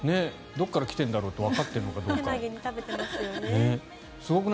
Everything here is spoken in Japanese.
どこから来てるんだろうってわかっているのかどうか。